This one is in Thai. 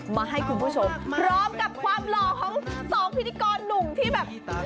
มาให้คุณผู้ชมพร้อมกับความหล่อของสองพิธีกรหนุ่มที่แบบ